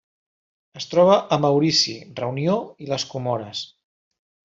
Es troba a Maurici, Reunió i les Comores.